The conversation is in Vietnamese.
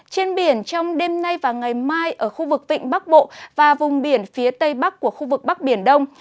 trên biển trong đêm nay và ngày mai ở khu vực vịnh bắc bộ và vùng biển phía tây bắc của khu vực bắc biển đông